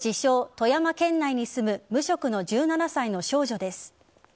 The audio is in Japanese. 富山県内に住む無職の１７歳の少女です。